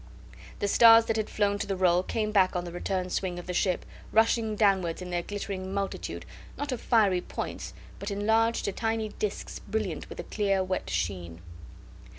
The stars that had flown to the roll came back on the return swing of the ship, rushing downwards in their glittering multitude, not of fiery points, but enlarged to tiny discs brilliant with a clear wet sheen.